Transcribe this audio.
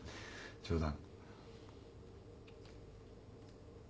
冗談。